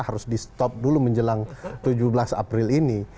harus di stop dulu menjelang tujuh belas april ini